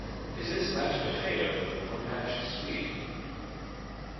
Is this mashed potato or mashed swede?